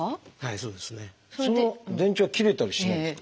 その電池は切れたりしないんですか？